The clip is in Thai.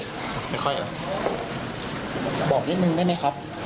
แบบไม่ค่อยบอกเล่นหนึ่งได้ไหมครับ